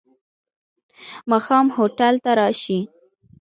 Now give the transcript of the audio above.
ماښام هوټل ته راشې.